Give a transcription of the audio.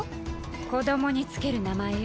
子どもに付ける名前よ。